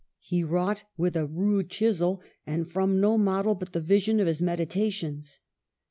He wrought with a rude chisel, and from no model but the vision of his meditations.